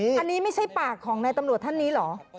อันนี้ไม่ใช่ปากของนายตำรวจท่านนี้เหรอ